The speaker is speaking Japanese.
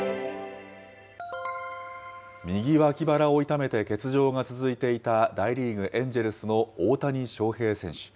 右脇腹を痛めて欠場が続いていた大リーグ・エンジェルスの大谷翔平選手。